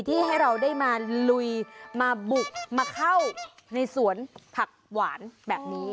ให้เราได้มาลุยมาบุกมาเข้าในสวนผักหวานแบบนี้